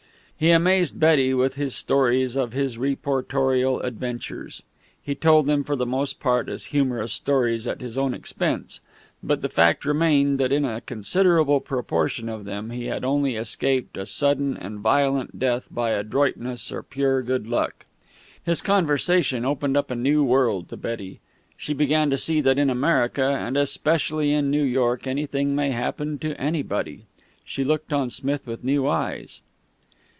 He amazed Betty with his stories of his reportorial adventures. He told them for the most part as humorous stories at his own expense, but the fact remained that in a considerable proportion of them he had only escaped a sudden and violent death by adroitness or pure good luck. His conversation opened up a new world to Betty. She began to see that in America, and especially in New York, anything may happen to anybody. She looked on Smith with new eyes.